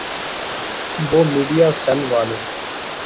وہ میڈیاسیل والے؟